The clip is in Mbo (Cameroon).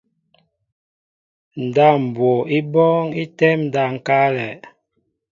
Ndáp mbwo í bɔ́ɔ́ŋ í tɛ́ɛ́m ndáp ŋ̀káálɛ̄.